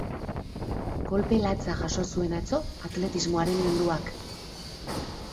Kolpe latza jaso zuen atzo atletismoaren munduak.